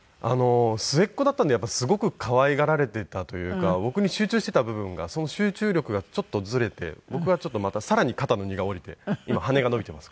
末っ子だったんですごく可愛がられていたというか僕に集中していた部分がその集中力がちょっとずれて僕はまたさらに肩の荷が下りて今羽が伸びています。